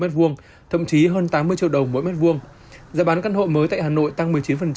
m hai thậm chí hơn tám mươi triệu đồng mỗi mét vuông giá bán căn hộ mới tại hà nội tăng một mươi chín